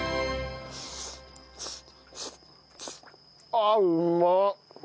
ああうまっ！